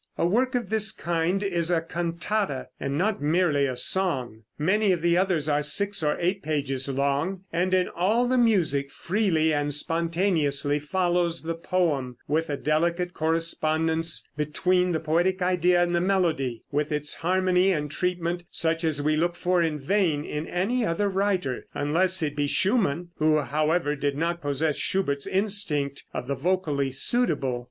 A work of this kind is a cantata, and not merely a song. Many of the others are six or eight pages long, and in all the music freely and spontaneously follows the poem, with a delicate correspondence between the poetic idea and the melody, with its harmony and treatment, such as we look for in vain in any other writer, unless it be Schumann, who, however, did not possess Schubert's instinct of the vocally suitable.